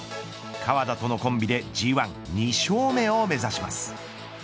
川田とのコンビでＧ１、２勝目を目指します。